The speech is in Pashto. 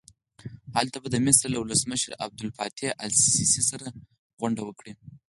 هلته به د مصر له ولسمشر عبدالفتاح السیسي سره غونډه وکړي.